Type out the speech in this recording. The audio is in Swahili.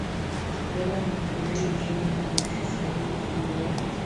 vyama vya upinzani nchini humo ambae sasa hivi yuko burundi